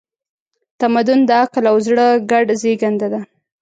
تمدن د عقل او زړه ګډه زېږنده ده.